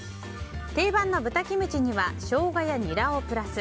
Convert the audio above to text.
定番の豚キムチにはショウガやニラをプラス。